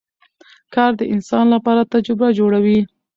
کار د انسان لپاره تجربه جوړوي